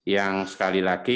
yang sekali lagi